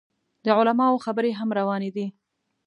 د علماو خبرې هم روانې دي.